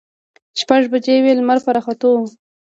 شپږ بجې وې، لمر په راختو و.